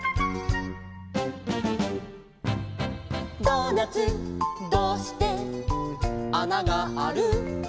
「ドーナツどうして穴がある？」